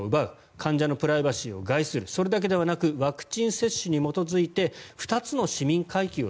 患者のプライバシーを害するそれだけではなくワクチン接種に基づいて２つの市民階級を